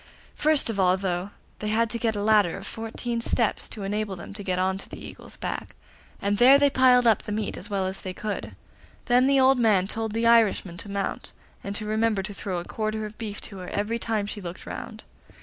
First of all, though, they had to get a ladder of fourteen steps, to enable them to get on to the Eagle's back, and there they piled up the meat as well as they could. Then the old man told the Irishman to mount, and to remember to throw a quarter of beef to her every time she looked round.